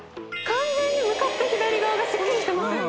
完全に向かって左側がスッキリしてますよね